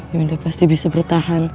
yunda pasti bisa bertahan